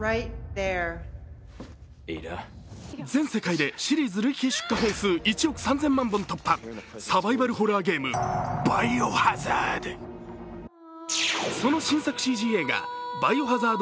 全世界でシリーズ累計出荷本数１億３０００万本突破、サバイバルホラーゲーム「バイオハザード」。